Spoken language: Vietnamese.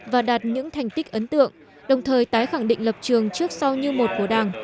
và đạt những thành tích ấn tượng đồng thời tái khẳng định lập trường trước sau như một của đảng